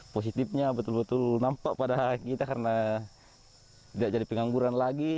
positifnya betul betul nampak pada kita karena tidak jadi pengangguran lagi